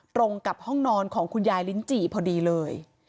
ตรงกับห้องนอนของคุณยายลิ้นจี่พอดีเลย